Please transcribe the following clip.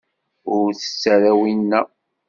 Ur tett ara winna.